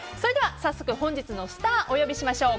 早速、本日のスターお呼びしましょう。